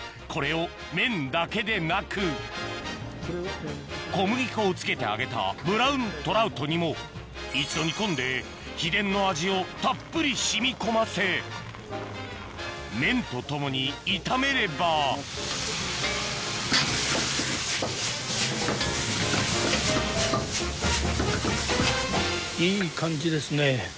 これを麺だけでなく小麦粉を付けて揚げたブラウントラウトにも一度煮込んで秘伝の味をたっぷり染み込ませ麺と共に炒めればいい感じですね